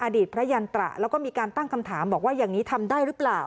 อดีตพระยันตระแล้วก็มีการตั้งคำถามบอกว่าอย่างนี้ทำได้หรือเปล่า